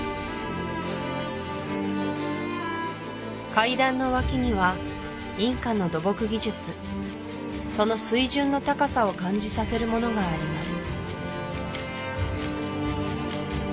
階段の脇にはインカの土木技術その水準の高さを感じさせるものがあります